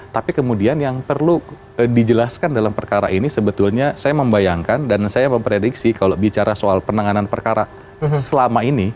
tapi kemudian yang perlu dijelaskan dalam perkara ini sebetulnya saya membayangkan dan saya memprediksi kalau bicara soal penanganan perkara selama ini